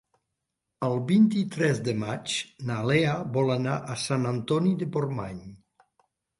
El vint-i-tres de maig na Lea vol anar a Sant Antoni de Portmany.